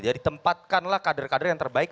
jadi tempatkanlah kader kader yang terbaik